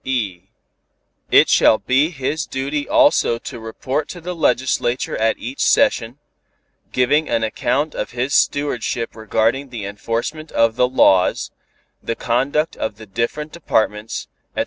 (e) It shall be his duty also to report to the legislature at each session, giving an account of his stewardship regarding the enforcement of the laws, the conduct of the different departments, etc.